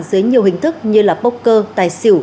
dưới nhiều hình thức như là bốc cơ tài xỉu